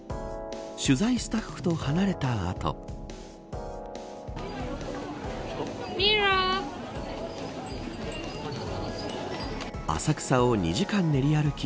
取材スタッフと離れた後浅草を２時間ねり歩き